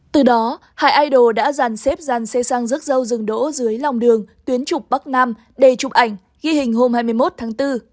từ đó hải idol đã dàn xếp dàn xe sang rớt râu rừng đỗ dưới lòng đường tuyến trục bắc nam để chụp ảnh ghi hình hôm hai mươi một tháng bốn